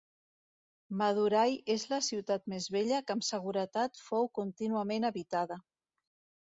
Madurai és la ciutat més vella que amb seguretat fou contínuament habitada.